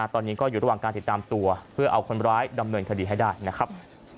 ตอนนี้ก็อยู่ระหว่างการติดตามตัวเพื่อเอาคนร้ายดำเนินคดีให้ได้นะครับ